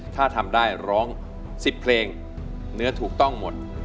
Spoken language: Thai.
ถ้าทำได้ร้อง๑๐เพลงเนื้อถูกต้องหมด